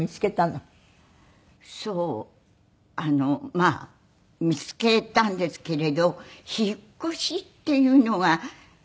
まあ見つけたんですけれど引っ越しっていうのは大変。